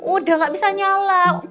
udah gak bisa nyala